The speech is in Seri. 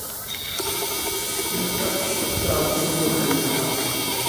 Itacl psaac smooxi aha.